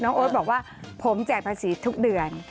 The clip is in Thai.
น้องโอ๊ดบอกว่าผมจ่ายภาษีทุกเดือน